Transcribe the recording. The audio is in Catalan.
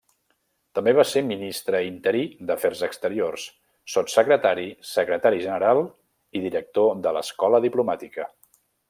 També va ser ministre interí d'Afers Exteriors, sotssecretari, secretari general i director de l'Escola Diplomàtica.